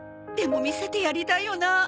でも見せてやりたいよな。